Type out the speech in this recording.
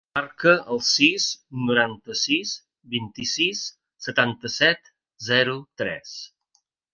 Marca el sis, noranta-sis, vint-i-sis, setanta-set, zero, tres.